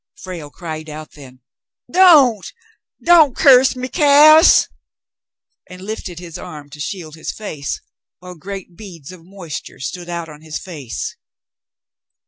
Frale cried out then, "Don't, don't curse me, Cass,'* and lifted his arm to shield his face, while great beads of moisture stood out on his face.